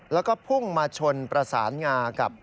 แล้วก็พุ่งมาชนประสานงากับ